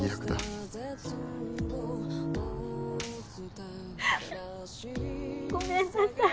ううっごめんなさい。